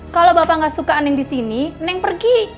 kalau bapak gak suka neng disini neng pergi